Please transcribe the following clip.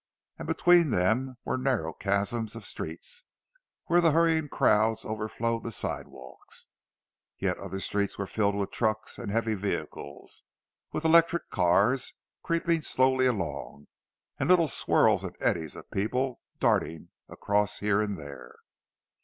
And between them were narrow chasms of streets, where the hurrying crowds overflowed the sidewalks. Yet other streets were filled with trucks and heavy vehicles, with electric cars creeping slowly along, and little swirls and eddies of people darting across here and there.